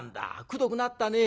くどくなったね。